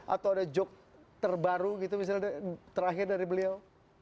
atau ada joke terbaru gitu misalnya terakhir dari beliau